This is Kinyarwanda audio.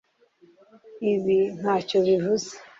Ibi ntacyo bivuze